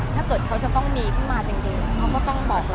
ถ้าเกิดเขาจะต้องมีขึ้นมาจริงเขาก็ต้องบอกเรา